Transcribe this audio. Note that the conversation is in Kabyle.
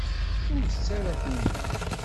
Ur tett ara tinna.